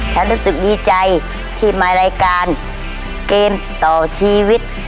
ฉันรู้สึกดีใจที่มารายการเกมต่อชีวิต